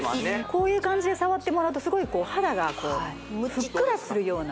こういう感じで触ってもらうとすごい肌がこうふっくらするような